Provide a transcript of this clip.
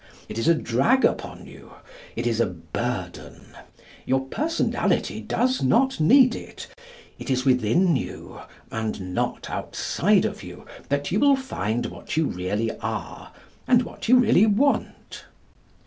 It is a drag upon you. It is a burden. Your personality does not need it. It is within you, and not outside of you, that you will find what you really are, and what you really want.